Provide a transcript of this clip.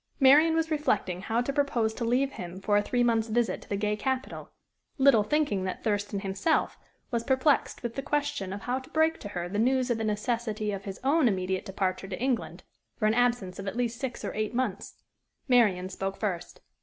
Marian was reflecting how to propose to leave him for a three months' visit to the gay capital, little thinking that Thurston himself was perplexed with the question of how to break to her the news of the necessity of his own immediate departure to England for an absence of at least six or eight months. Marian spoke first.